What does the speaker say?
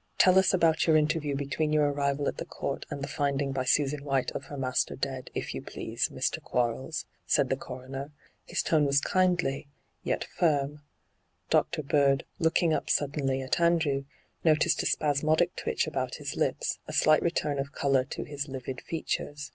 ' Tell us about your interview between your arrival at the Court and the finding by Susan White of her master dead, if you please, Mr. Quarles,' said the coroner. His tone was kindly, yet firm. Dr. Bird, looking up suddenly at Andrew, noticed a spasmodic 5—2 n,aN, .^hyG00glc 68 ENTRAPPED twitch about his lips, a slight return of colour to his livid features.